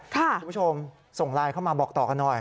คุณผู้ชมส่งไลน์เข้ามาบอกต่อกันหน่อย